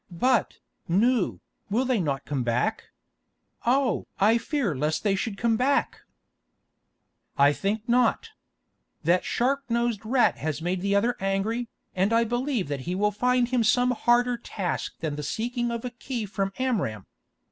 "But, Nou, will they not come back? Oh! I fear lest they should come back." "I think not. That sharp nosed rat has made the other angry, and I believe that he will find him some harder task than the seeking of a key from Amram.